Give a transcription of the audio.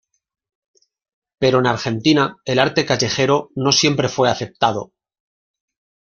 Pero en Argentina, el arte callejero no siempre fue aceptado.